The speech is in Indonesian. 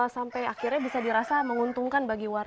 sampai akhirnya bisa dirasa menguntungkan bagi warga